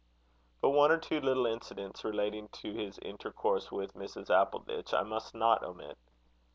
But one or two little incidents, relating to his intercourse with Mrs. Appleditch, I must not omit.